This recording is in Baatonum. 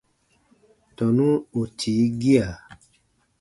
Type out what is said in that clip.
Tɔnu ù tii gia.